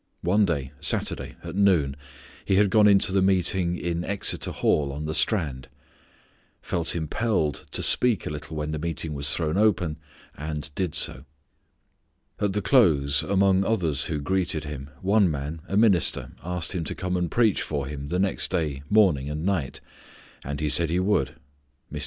One day, Saturday, at noon, he had gone into the meeting in Exeter Hall on the Strand; felt impelled to speak a little when the meeting was thrown open, and did so. At the close among others who greeted him, one man, a minister, asked him to come and preach for him the next day morning and night, and he said he would. Mr.